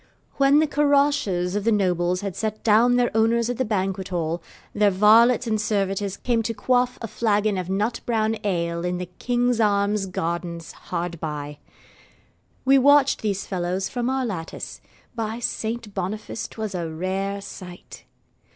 When the caroches of the nobles had set down their owners at the banquethall, their varlets and servitors came to quaff a flagon of nut brown ale in the 'King's Arms' gardens hard by. We watched these fellows from our lattice. By Saint Boniface 'twas a rare sight!